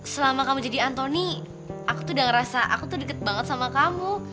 selama kamu jadi anthony aku tuh udah ngerasa aku tuh deket banget sama kamu